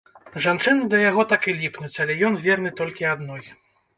Жанчыны да яго так і ліпнуць, але ён верны толькі адной.